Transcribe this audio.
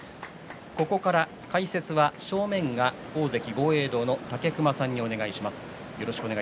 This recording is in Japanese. ここからは解説は正面が大関豪栄道の武隈さんにお願いします。